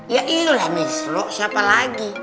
ya itulah misro siapa lagi